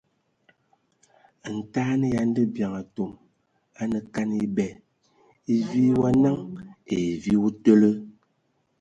Ntaɛn ya ndabiaŋ atɔm anə kan ebɛ :e wi wa naŋ ai e wi o tələ.